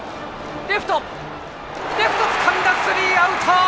レフトつかんだ、スリーアウト！